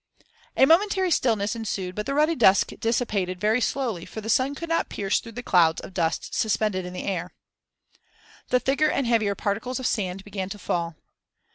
A momentary stillness ensued but the ruddy dusk dissipated very slowly for the sun could not pierce through the clouds of dust suspended in the air. The thicker and heavier particles of sand began to fall.